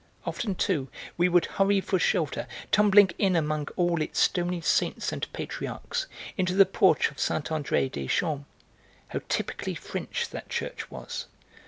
Often, too, we would hurry for shelter, tumbling in among all its stony saints and patriarchs, into the porch of Saint André des Champs, How typically French that church was!